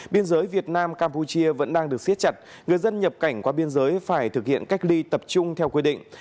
biên giới việt nam campuchia vẫn đang được siết chặt người dân nhập cảnh qua biên giới phải thực hiện cách ly tập trung theo quy định